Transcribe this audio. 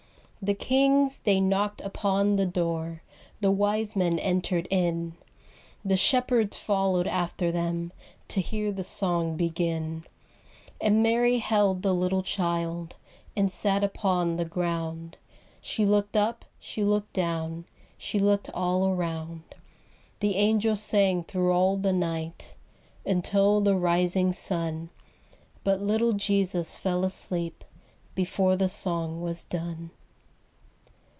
The kings they knocked upon the door, The wise men entered in, The shepherds followed after them To hear the song begin. And Mary held the little child And sat upon the ground; She looked up, she looked down, She looked all around. The angels sang thro' all the night Until the rising sun, But little Jesus fell asleep Before the song was done.